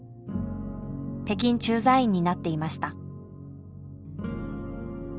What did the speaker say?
北京駐在員になっていました。